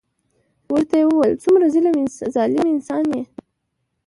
ورته يې وويل څومره ظلم انسان يې.